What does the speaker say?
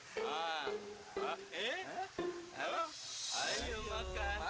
saya juga yang ditangis